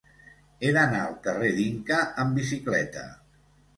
He d'anar al carrer d'Inca amb bicicleta.